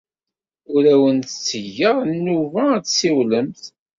Ur awent-ttgeɣ nnuba ad tessiwlemt.